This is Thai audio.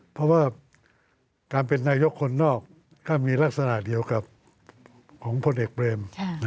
เพราะว่าการเป็นนายกคนนอกก็มีลักษณะเดียวกับของพลเอกเบรม